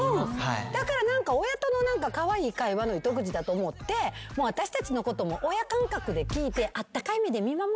だから親とのカワイイ会話の糸口だと思って私たちのことも親感覚で聞いて。